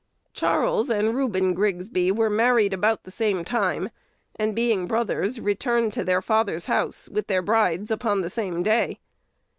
Charles and Reuben Grigsby were married about the same time, and, being brothers, returned to their father's house with their brides upon the same day.